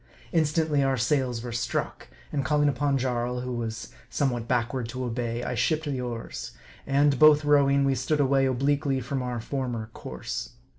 Instantly our sails were struck ; and calling upon Jarl, who was somewhat backward to obey, I shipped the oars ; and, both rowing, we stood away obliquely from our former course.